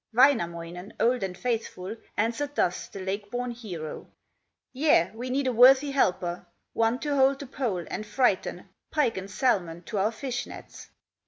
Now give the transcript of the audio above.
Wainamoinen, old and faithful, Answered thus the lake born hero: "Yea, we need a worthy helper, One to hold the pole, and frighten Pike and salmon to our fish nets."